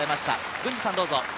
郡司さん、どうぞ。